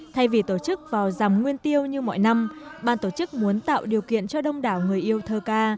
thay vì tổ chức vào dàm nguyên tiêu như mọi năm ban tổ chức muốn tạo điều kiện cho đông đảo người yêu thơ ca